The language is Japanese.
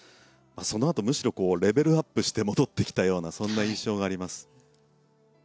そのあとむしろレベルアップして戻ってきたような印象があります。